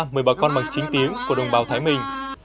mời bà con bằng chính tiếng của đồng bào thái bình